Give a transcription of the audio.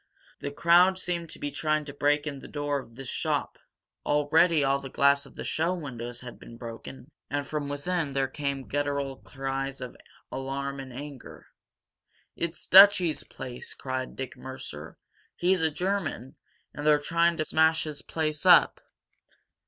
The crowd seemed to be trying to break in the door of this shop. Already all the glass of the show windows had been broken, and from within there came guttural cries of alarm and anger. "It's Dutchy's place!" cried Dick Mercer. "He's a German, and they're trying to smash his place up!"